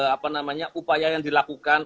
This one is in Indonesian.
apa namanya upaya yang dilakukan